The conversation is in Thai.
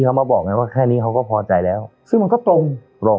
เขามาบอกไงว่าแค่นี้เขาก็พอใจแล้วซึ่งมันก็ตรงรอ